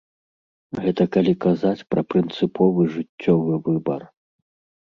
Гэта калі казаць пра прынцыповы жыццёвы выбар.